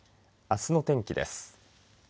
あすの天気です。